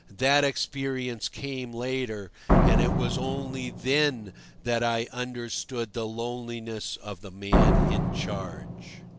That experience came later, and it was only then that I understood the loneliness of the man in charge.